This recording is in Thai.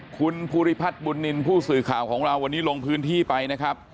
คุณภูริพัฒน์บุญนินทร์ผู้สื่อข่าวของเราวันนี้ลงพื้นที่ไปนะครับ